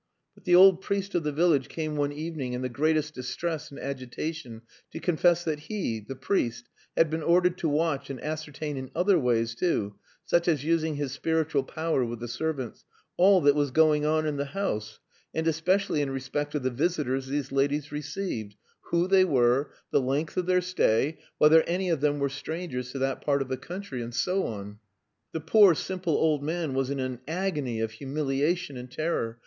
But the old priest of the village came one evening in the greatest distress and agitation, to confess that he the priest had been ordered to watch and ascertain in other ways too (such as using his spiritual power with the servants) all that was going on in the house, and especially in respect of the visitors these ladies received, who they were, the length of their stay, whether any of them were strangers to that part of the country, and so on. The poor, simple old man was in an agony of humiliation and terror.